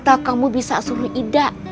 atau kamu bisa suruh ida